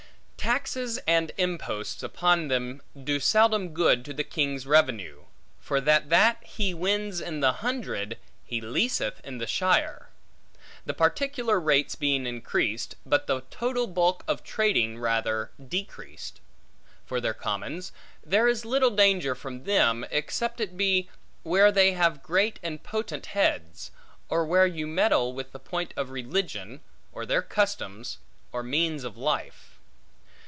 Taxes and imposts upon them, do seldom good to the king's revenue; for that that he wins in the hundred, he leeseth in the shire; the particular rates being increased, but the total bulk of trading, rather decreased. For their commons; there is little danger from them, except it be, where they have great and potent heads; or where you meddle with the point of religion, or their customs, or means of life.